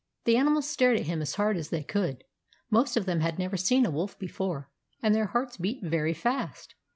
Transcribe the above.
The animals stared at him as hard as they could. Most of them had never seen a wolf before, and their hearts beat very fast.